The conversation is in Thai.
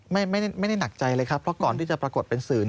ไม่ได้หนักใจเลยครับเพราะก่อนที่จะปรากฏเป็นสื่อ